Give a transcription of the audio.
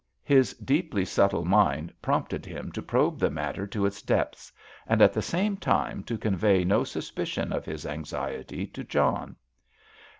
His deeply subtle mind prompted him to probe the matter to its depths, and at the same time to convey no suspicion of his anxiety to John.